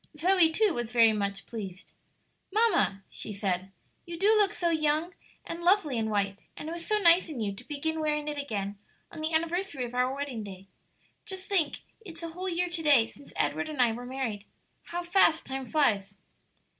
Zoe, too, was very much pleased. "Mamma," she said, "you do look so young and lovely in white; and it was so nice in you to begin wearing it again on the anniversary of our wedding day. Just think, it's a whole year to day since Edward and I were married. How fast time flies!"